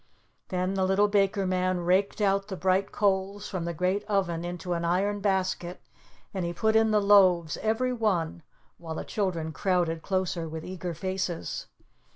Then the little Baker Man raked out the bright coals from the great oven into an iron basket, and he put in the loaves, every one, while the children crowded closer with eager faces.